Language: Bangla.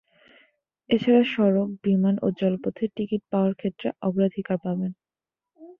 এ ছাড়া সড়ক, বিমান ও জলপথে টিকিট পাওয়ার ক্ষেত্রে অগ্রাধিকার পাবেন।